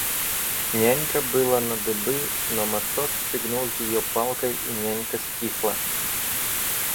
Нянька было на дыбы, но матрос стегнул её палкой и нянька стихла.